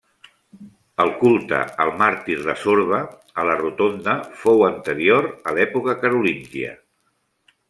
El culte al màrtir de Sorba, a la rotonda, fou anterior a l'època carolíngia.